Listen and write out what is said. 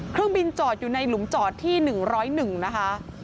เครื่องบินจอดอยู่ในหลุมจอดที่๑๐๑นะคะ